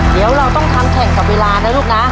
เดี๋ยวเราต้องทำแข่งกับเวลานะลูกนะ